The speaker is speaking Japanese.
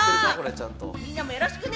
みんなもよろしくね！